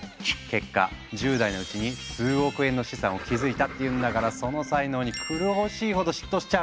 結果１０代のうちに数億円の資産を築いたっていうんだからその才能に狂おしいほど嫉妬しちゃうよね！